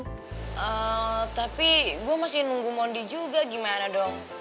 hmm tapi gue masih nunggu mondi juga gimana dong